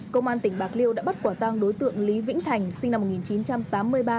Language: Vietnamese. công an tỉnh bạc liêu đã bắt quả tang đối tượng lý vĩnh thành sinh năm một nghìn chín trăm tám mươi ba